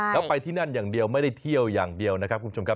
แล้วไปที่นั่นอย่างเดียวไม่ได้เที่ยวอย่างเดียวนะครับคุณผู้ชมครับ